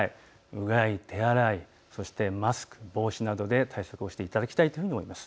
うがい、手洗い、マスク、帽子などで対策をしていただきたいというふうに思います。